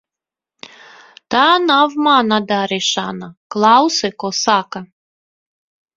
Tā nav mana darīšana. Klausi, ko saka.